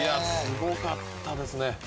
すごかったですね。